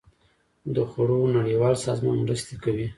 د خوړو نړیوال سازمان مرستې کوي